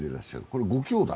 これはご兄弟？